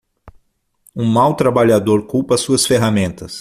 Um mau trabalhador culpa suas ferramentas.